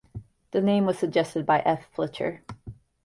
The name was suggested by F. Pilcher.